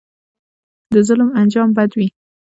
د ظلم انجام بد وي